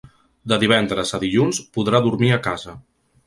De divendres a dilluns podrà dormir a casa.